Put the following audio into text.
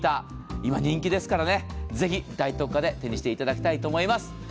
今、人気ですからぜひ、大特価で手にしていただきたいと思います。